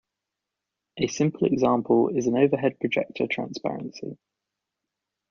A simple example is an overhead projector transparency.